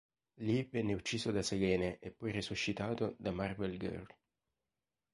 Lì venne ucciso da Selene e poi resuscitato da Marvel Girl.